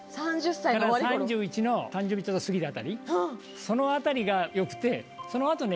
だから３１の誕生日をちょっと過ぎた辺りその辺りが良くてその後ね。